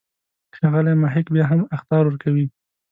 ښاغلی محق بیا هم اخطار ورکوي.